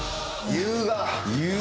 優雅！